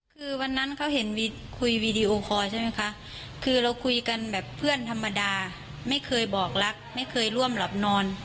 คือวันนั้นเขาเห็นมีคุยวีดีโอคอร์ใช่ไหมคะคือเราคุยกันแบบเพื่อนธรรมดาไม่เคยบอกรักไม่เคยร่วมหลับนอน